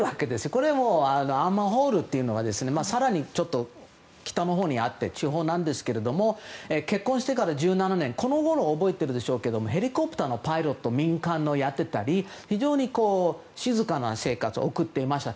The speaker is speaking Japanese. これ、アンマー・ホールという更に北のほうにあって地方なんですけど結婚してから１７年このころは覚えているでしょうけどヘリコプターのパイロットなど民間のをやっていたり非常に静かな生活を送っていました。